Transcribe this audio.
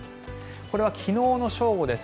これは昨日の正午です。